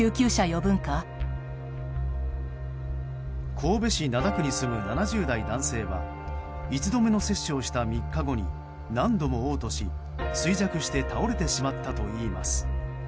神戸市灘区に住む７０代男性は１度目の接種をした３日後に何度も嘔吐し衰弱して倒れてしまったといいます。